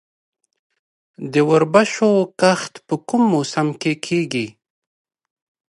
د وربشو کښت په کوم موسم کې کیږي؟